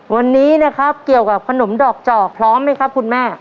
วันนี้นะครับเกี่ยวกับขนมดอกจอกพร้อมไหมครับคุณแม่